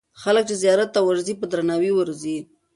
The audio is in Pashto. خلک چې زیارت ته ورځي، په درناوي ورځي.